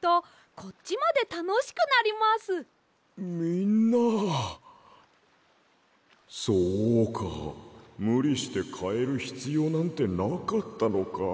こころのこえそうかむりしてかえるひつようなんてなかったのか。